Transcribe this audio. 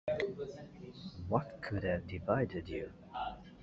What could have divided you?